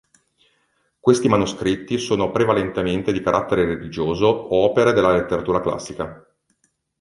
Questi manoscritti sono prevalentemente di carattere religioso o opere della letteratura classica.